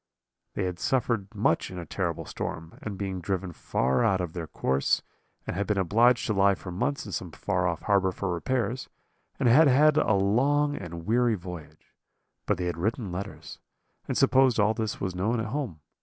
"They had suffered much in a terrible storm, and been driven far out of their course, and been obliged to lie for months in some far off harbour for repairs, and had had a long and weary voyage. But they had written letters, and supposed all this was known at home.